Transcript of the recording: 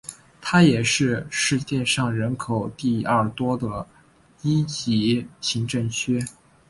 它也是世界上人口第二多的一级行政区。